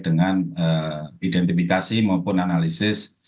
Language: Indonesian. dengan identifikasi maupun analisis